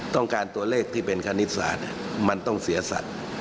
ตัวเลขที่เป็นคณิตศาสตร์มันต้องเสียสัตว์